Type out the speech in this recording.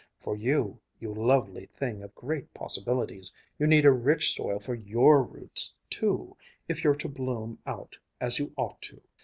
For you, you lovely thing of great possibilities, you need a rich soil for your roots, too, if you're to bloom out as you ought to."